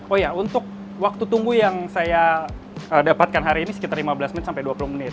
oh iya untuk waktu tunggu yang saya dapatkan hari ini sekitar lima belas menit sampai dua puluh menit